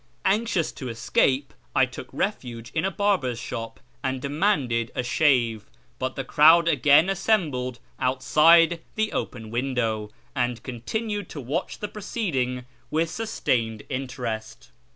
Anxious to escape, I took refuge in a barber's shop and demanded a shave, but the crowd again assembled outside the open window, and continued to watch the proceeding with sustained interest.